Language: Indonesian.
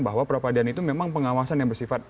bahwa peradilan itu memang pengawasan yang bersifat